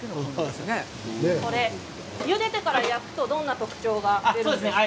ゆでてから焼くとどんな特徴がありますか？